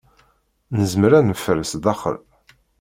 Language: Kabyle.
Nezmer ad neffer sdaxel.